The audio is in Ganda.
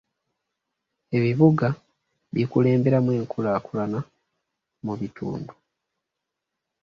Ebibuga bikulemberamu enkulaakulana mu bitundu.